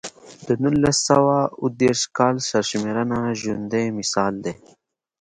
د نولس سوه اووه دېرش کال سرشمېرنه ژوندی مثال دی.